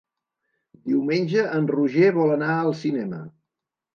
Diumenge en Roger vol anar al cinema.